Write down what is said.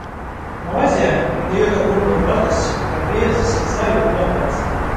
Малайзия придает огромную важность борьбе за сердца и умы афганцев.